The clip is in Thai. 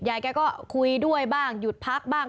ยายแกก็คุยด้วยบ้างหยุดพักบ้าง